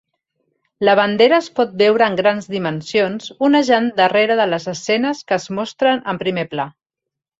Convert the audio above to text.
La bandera es pot veure en grans dimensions onejant darrere de les escenes que es mostren en primer pla.